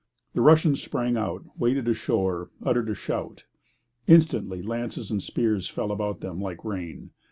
The Russians sprang out, waded ashore, uttered a shout! Instantly lances and spears fell about them like rain.